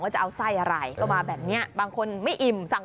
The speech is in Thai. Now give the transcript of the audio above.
อารมณ์ของแม่ค้าอารมณ์การเสิรฟนั่งอยู่ตรงกลาง